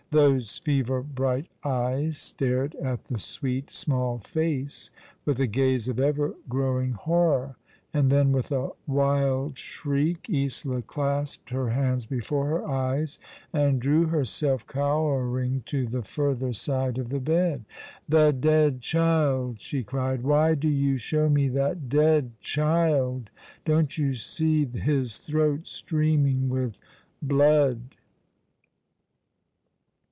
Those fever bright eyes stared at the sweet small face with a gaze of ever grow ing horror, and then with a wild shriek Isola clasped her hands before her eyes, and drew herself cowering to the further side of the bed. *' The dead child !" she cried. '• Why do you show mo that dead child ? Don't you see his throat streaming with blood